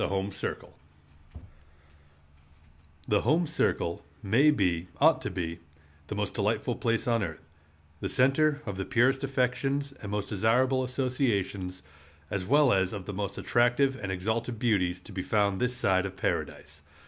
] The home circle may be, ought to be, the most delightful place on earth, the center of the purest affections and most desirable associations, as well as of the most attractive and exalted beauties to be found this side of paradise.